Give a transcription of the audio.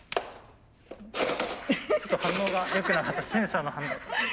ちょっと反応が良くなかったセンサーの反応。